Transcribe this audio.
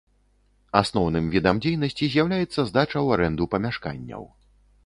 Асноўным відам дзейнасці з'яўляецца здача ў арэнду памяшканняў.